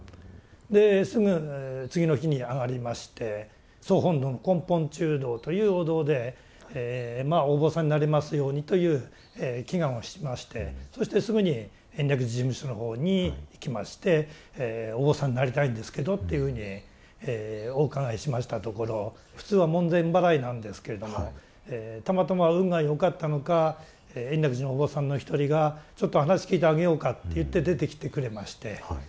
ですぐ次の日に上がりまして総本堂の根本中堂というお堂でまあお坊さんになれますようにという祈願をしましてそしてすぐに延暦寺事務所のほうに行きましてお坊さんになりたいんですけどというふうにお伺いしましたところ普通は門前払いなんですけれどもたまたま運が良かったのか延暦寺のお坊さんの一人がちょっと話聞いてあげようかって言って出てきてくれまして。